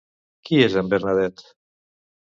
Qui és en Bernadet?